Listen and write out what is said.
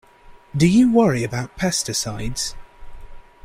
Do you worry about pesticides?